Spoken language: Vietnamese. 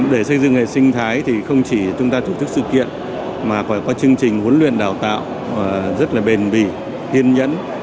để xây dựng hệ sinh thái thì không chỉ chúng ta thưởng thức sự kiện mà phải có chương trình huấn luyện đào tạo rất là bền bỉ hiên nhẫn